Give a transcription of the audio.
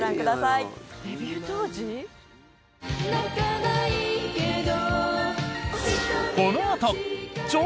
「泣かないけど」